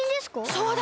そうだ！